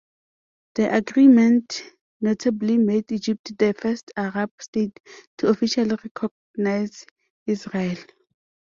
The agreement notably made Egypt the first Arab state to officially recognize Israel.